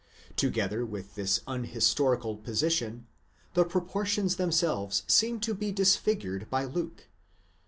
Together with this unhistorical position, the proportions themselves seem to be disfigured in Luke (xi.